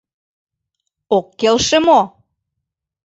Ок келше мо?